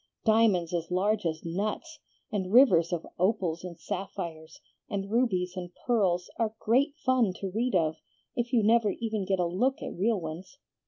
Diamonds as large as nuts, and rivers of opals and sapphires, and rubies and pearls, are great fun to read of, if you never even get a look at real ones.